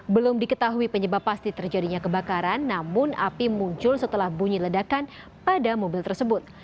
belum diketahui penyebab pasti terjadinya kebakaran namun api muncul setelah bunyi ledakan pada mobil tersebut